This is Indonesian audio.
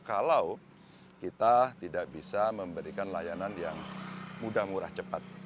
kalau kita tidak bisa memberikan layanan yang mudah murah cepat